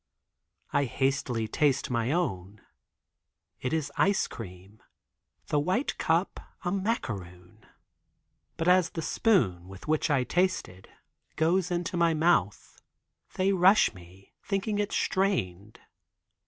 I hastily taste my own. It is "ice cream," the white cup a macaroon. But as the spoon, with which I tasted, goes into my mouth, they rush to me, thinking it strained.